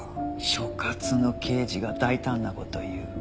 所轄の刑事が大胆な事を言う。